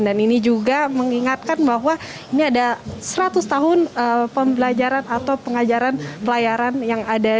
dan ini juga mengingatkan bahwa ini ada seratus tahun pembelajaran atau pengajaran pelayaran yang ada